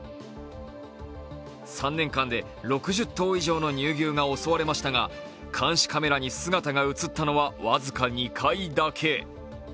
３年間で６０頭以上の乳牛が襲われましたが、監視カメラに姿が映ったのは僅か２回だけ。